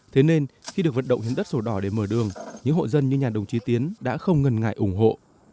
thế nên khi được vận động hiến đất sổ đỏ để mở đường những hộ dân như nhà đồng chí tiến đã không ngần ngại ủng hộ